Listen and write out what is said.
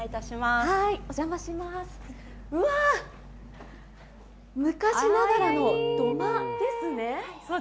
うわ、昔ながらの土間ですね。